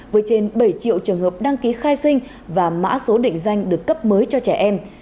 với trên bảy triệu trường hợp đăng ký khai sinh và mã số định danh được cấp mới cho trẻ em